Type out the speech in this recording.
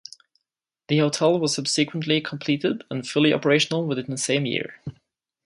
The hotel was subsequently completed and fully operational within the same year.